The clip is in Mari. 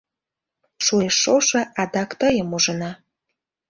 Шуэш шошо, адак тыйым ужына.